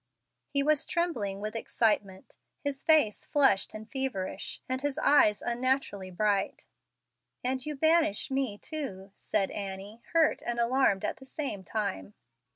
He was trembling with excitement, his face flushed and feverish, and his eyes unnaturally bright. "And you banish me too," said Annie, hurt and alarmed at the same time.